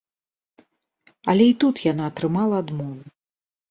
Але і тут яна атрымала адмову.